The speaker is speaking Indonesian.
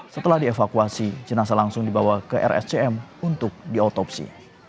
setelah dievakuasi jenazah langsung dibawa ke rscm untuk diotopsi